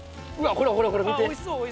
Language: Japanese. ほらほらほら見て。